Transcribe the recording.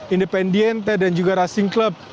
independente dan juga racing club